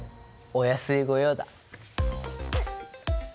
お安い御用だ。